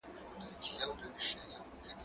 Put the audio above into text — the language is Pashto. زه سفر نه کوم!!